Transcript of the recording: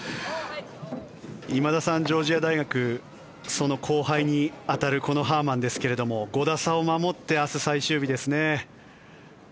今田さん、ジョージア大学後輩に当たるハーマンですが５打差を守って明日、最終日ですね。